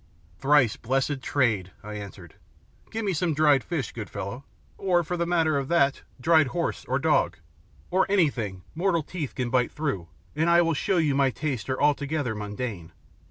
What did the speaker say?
"Thrice blessed trade!" I answered. "Give me some dried fish, good fellow, or, for the matter of that, dried horse or dog, or anything mortal teeth can bite through, and I will show you my tastes are altogether mundane."